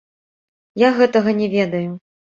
Я гэтага не ведаю.